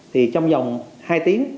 thì trong dòng hai tiếng